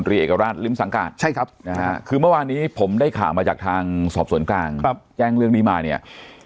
โพธิเอกราชลิ้มสังการณ์คือเมื่อวานี้ผมได้ข่าวมาจากทางสอบส่วนกลางแจ้งเรื่องนี้มาเนี่ย